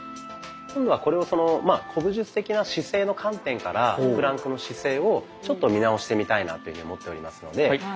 今度はこれを古武術的な姿勢の観点からプランクの姿勢をちょっと見直してみたいなと思っておりますので。